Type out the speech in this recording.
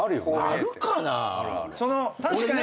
あるかな？